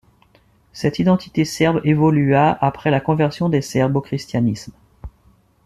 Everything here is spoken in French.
Cette identité serbe évolua après la conversion des Serbes au christianisme.